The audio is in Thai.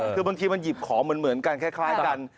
คือบางทีมันหยิบของเหมือนกันคล้ายกัน